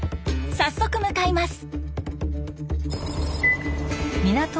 早速向かいます。